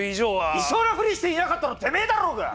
いそうなふりしていなかったのてめえだろうが！